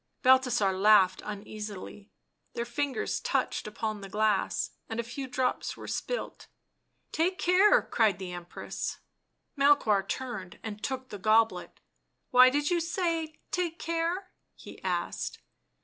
Balthasar laughed uneasily; their fingers touched upon the glass, and a few drops were spilled. " Take care!" cried the Empress. Melchoir turned and took the goblet. " Why did you say — take care?" he asked.